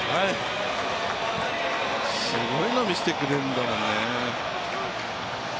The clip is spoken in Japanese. すごいの見せてくれるんだね。